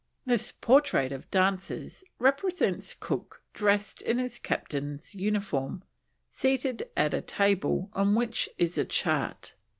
This portrait of Dance's represents Cook dressed in his Captain's uniform, seated at a table on which is a chart.